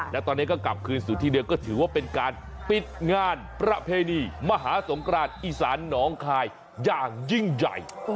และตอนนี้ก็กลับคืนสู่ที่เดียวก็ถือว่าเป็นการปิดงานประเพณีมหาสงครานอีสานน้องคายอย่างยิ่งใหญ่